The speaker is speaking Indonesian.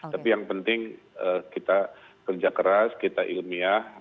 tapi yang penting kita kerja keras kita ilmiah